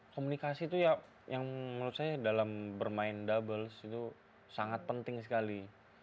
komunikasi itu ya yang menurut saya dalam bermain doubles itu sangat penting sekali